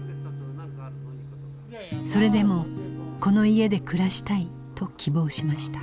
それでもこの家で暮らしたいと希望しました。